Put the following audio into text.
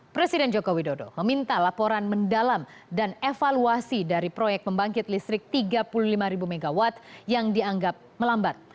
presiden joko widodo meminta laporan mendalam dan evaluasi dari proyek pembangkit listrik tiga puluh lima mw yang dianggap melambat